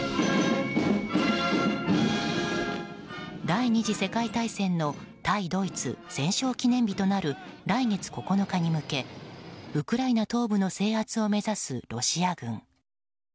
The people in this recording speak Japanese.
第２次世界大戦の対ドイツ戦勝記念日となる来月９日に向けウクライナ東部の制圧を目指すロシア軍。